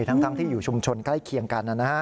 ทั้งที่อยู่ชุมชนใกล้เคียงกันนะฮะ